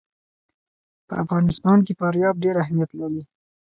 په افغانستان کې فاریاب ډېر اهمیت لري.